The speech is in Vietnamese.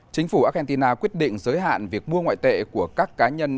chính phủ argentina quyết định giới hạn việc mua ngoại tệ của các cá nhân